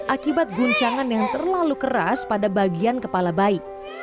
akibat guncangan yang terlalu keras pada bagian kepala bayi